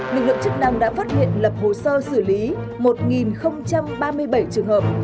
lực lượng chức năng đã phát hiện lập hồ sơ xử lý một ba mươi bảy trường hợp